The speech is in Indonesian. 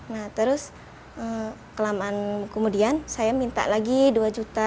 nah terus kelamaan kemudian saya minta lagi dua juta